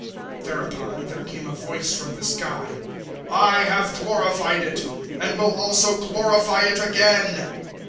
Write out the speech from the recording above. Thereupon there came a voice from the sky, "I have glorified it and will also glorify it again."